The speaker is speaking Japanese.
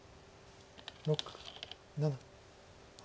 ６７８。